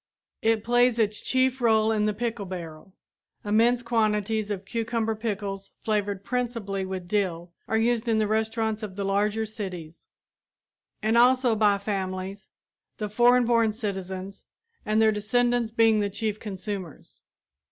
It plays its chief role in the pickle barrel. Immense quantities of cucumber pickles flavored principally with dill are used in the restaurants of the larger cities and also by families, the foreign born citizens and their descendants being the chief consumers.